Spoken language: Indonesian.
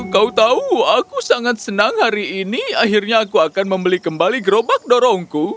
kau tahu aku sangat senang hari ini akhirnya aku akan membeli kembali gerobak dorongku